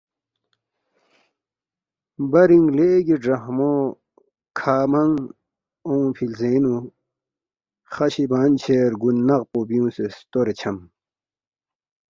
برینگ لیگی گراہمو کھہ منگ اونگفی لزینگنو، خشی بانشے رگون نق پو بیونگسے ستورے چھم